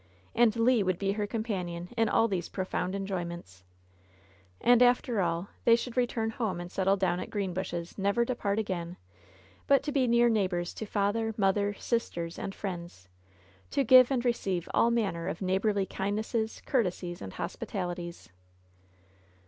And Le would be her companion in all these profound enjoyments ! And, after all, they should return home and settle down at Greenbushes, never to part again, but to be near neighbors to father, mother, sisters and friends; to give and receive all manner of neighborly kindnesses, courtesies, hospitalities.